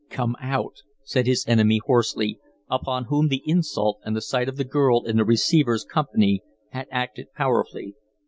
"Come out," said his enemy, hoarsely, upon whom the insult and the sight of the girl in the receiver's company had acted powerfully.